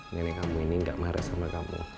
nenek kamu ini gak marah sama kamu